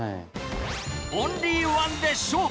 オンリーワンで勝負！